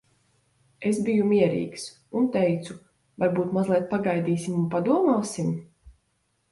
Es biju mierīgs. Un teicu, "Varbūt mazliet pagaidīsim un padomāsim?